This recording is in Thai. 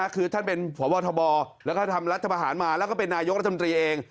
คือท่านเป็นพบทบแล้วก็ทำรัฐประหารมาแล้วก็เป็นนายกรัฐมนตรีเอง